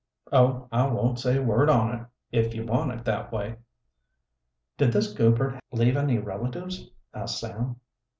"Oh, I won't say a word on it if you want it that way." "Did this Goupert leave any relatives?" asked Sam.